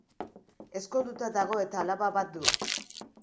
Ezkonduta dago eta alaba bat du.